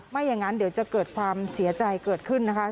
ไม่อย่างนั้นเดี๋ยวจะเกิดความเสียใจเกิดขึ้นนะคะ